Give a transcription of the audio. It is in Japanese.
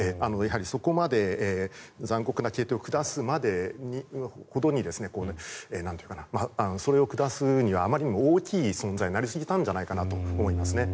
そこまで残酷な決定を下すほどそれを下すにはあまりにも大きい存在になりすぎたんだと思いますね。